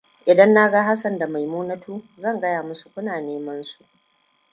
Idan na ga Hassan da Maimunatu, zan gaya musu kuna nemansu.